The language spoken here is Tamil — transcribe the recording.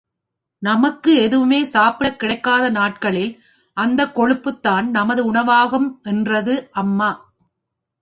நமக்கு எதுவுமே சாப்பிடக் கிடைக்காத நாட்களில் அந்தக் கொழுப்புத்தான் நமது உணவாகும் என்றது அம்மா.